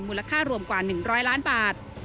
มูลค่ารวมกว่า๑๐๐ล้านบาท